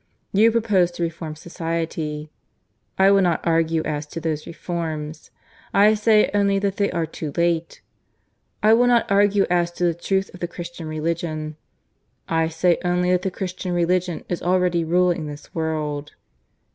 You propose to reform Society. I will not argue as to those reforms; I say only that they are too late. I will not argue as to the truth of the Christian religion. I say only that the Christian religion is already ruling this world.